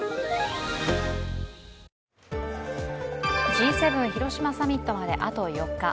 Ｇ７広島サミットまであと４日。